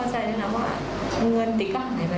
แล้วถ้าโมเสียชีวิตไปไม่ต้องเข้าใจเลยนะว่า